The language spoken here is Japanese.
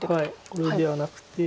これではなくて。